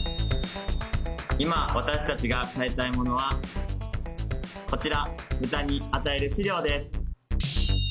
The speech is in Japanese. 今私たちが変えたいものはこちら豚に与える飼料です。